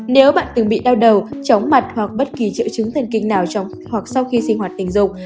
nếu bạn từng bị đau đầu chóng mặt hoặc bất kỳ triệu chứng thần kinh nào trong hoặc sau khi sinh hoạt tình dục